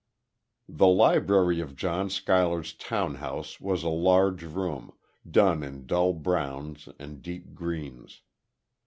The library of John Schuyler's town house was a large room, done in dull browns and deep greens.